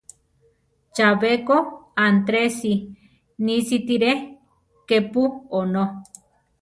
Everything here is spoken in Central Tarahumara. Chabé ko Antresi nisítire kepu onó.